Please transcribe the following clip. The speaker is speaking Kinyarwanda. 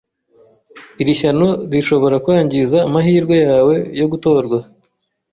Iri shyano rishobora kwangiza amahirwe yawe yo gutorwa.